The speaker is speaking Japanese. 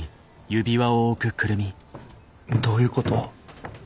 どういうこと？